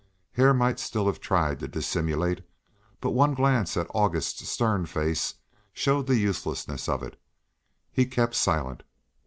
Hare might still have tried to dissimulate; but one glance at August's stern face showed the uselessness of it. He kept silent.